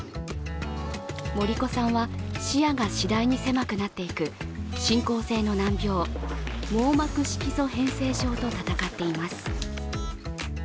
ＭＯＲＩＫＯさんは視野が次第に狭くなっていく進行性の難病網膜色素変性症と闘っています。